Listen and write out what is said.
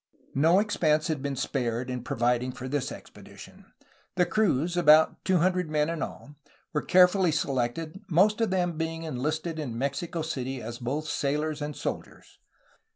No expense had been spared in providing for this expedi tion. The crews, about two hundred men in all, were care fully selected, most of them being enHsted in Mexico City as both sailors and soldiers.